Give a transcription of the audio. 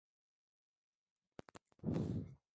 maili ya mraba milioni tatu na inakaribia